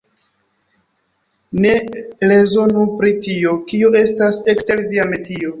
Ne rezonu pri tio, kio estas ekster via metio.